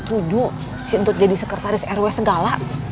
tuju si untut jadi sekretaris rw segala